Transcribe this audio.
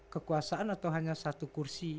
kekuasaan atau hanya satu kursi